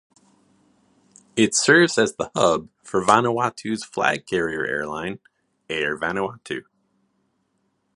It serves as the hub for Vanuatu's flag carrier airline, Air Vanuatu.